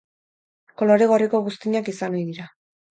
Kolore gorriko buztinak izan ohi dira.